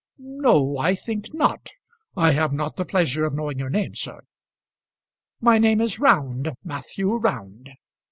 "No, I think not. I have not the pleasure of knowing your name, sir." "My name is Round Matthew Round."